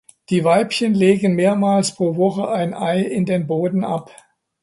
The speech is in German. Die Weibchen legen mehrmals pro Woche ein Ei in den Boden ab.